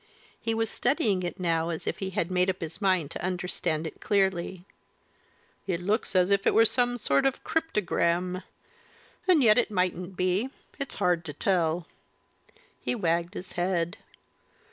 He was studying it as if now he had made up his mind to understand it clearly. "It looks as if it was some sort of cryptogram, and yet it mightn't be it's hard to tell." He wagged his head.